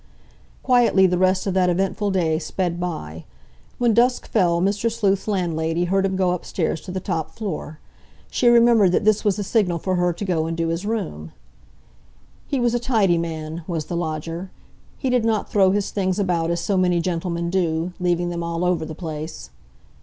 Quietly the rest of that eventful day sped by. When dusk fell Mr. Sleuth's landlady heard him go upstairs to the top floor. She remembered that this was the signal for her to go and do his room. He was a tidy man, was the lodger; he did not throw his things about as so many gentlemen do, leaving them all over the place.